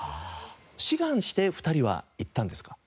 志願して２人は行ったんですか？